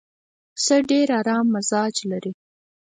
پسه ډېر ارام مزاج لري.